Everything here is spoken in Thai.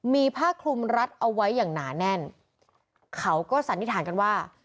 มีผ้าคลุมรัดเอาไว้อย่างหนาแน่นเขาก็สันนิษฐานกันว่า